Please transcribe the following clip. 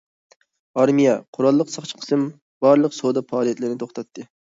ئارمىيە، قوراللىق ساقچى قىسىم بارلىق سودا پائالىيەتلىرىنى توختاتتى.